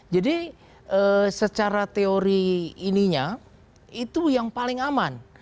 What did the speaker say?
jadi secara teori ininya itu yang paling aman